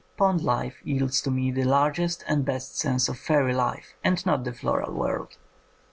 Pond life yields to me the largest and best sense of fairy, life, and not the floral world.